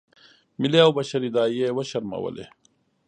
ملي او بشري داعیې یې وشرمولې.